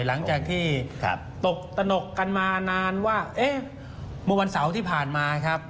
หลังจากที่ตกตนกกันมานานว่าเอ๊ะเมื่อวันเสาร์ที่ผ่านมาครับ